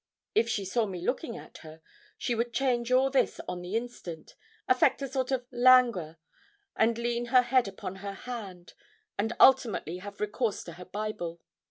If she saw me looking at her, she would change all this on the instant, affect a sort of languor, and lean her head upon her hand, and ultimately have recourse to her Bible.